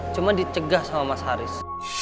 cuma dicegah sama mas haris